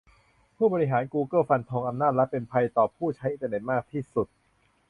ผู้บริหารกูเกิลฟันธง "อำนาจรัฐ" เป็นภัยต่อผู้ใช้อินเตอร์เน็ตมากที่สุด